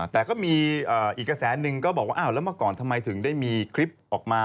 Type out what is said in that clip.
แต่ก็มีอีกกระแสหนึ่งก็บอกว่าอ้าวแล้วเมื่อก่อนทำไมถึงได้มีคลิปออกมา